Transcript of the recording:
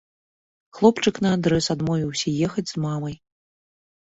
Хлопчык наадрэз адмовіўся ехаць з мамай.